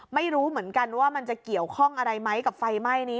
ไม่รู้เหมือนกันว่ามันจะเกี่ยวข้องอะไรไหมกับไฟไหม้นี้